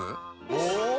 お！